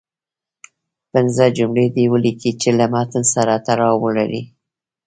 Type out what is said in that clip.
پنځه جملې دې ولیکئ چې له متن سره تړاو ولري.